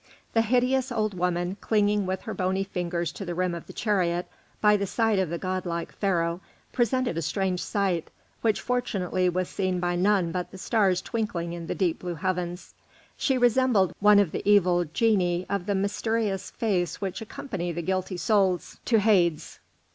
The hideous old woman, clinging with her bony fingers to the rim of the chariot by the side of the godlike Pharaoh, presented a strange sight, which fortunately was seen by none but the stars twinkling in the deep blue heavens. She resembled one of the evil genii of mysterious face which accompany the guilty souls to Hades.